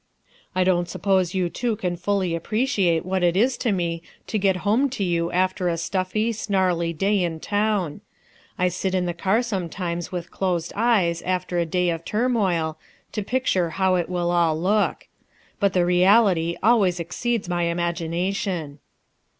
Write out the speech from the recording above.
"I don't suppose you two can fully appreciate what it is to me to get home to you after a stuffy, snarly day in town. I sit in the car sometimes with closed eyes after a d&y of turmoil, to picture how it will all look. But the reality always exceeds my imagination."